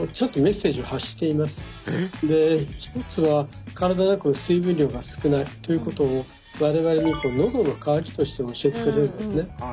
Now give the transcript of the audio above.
１つは体の中の水分量が少ないということを我々にのどの渇きとして教えてくれるんですね。